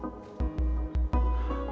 aku akan mencari temanmu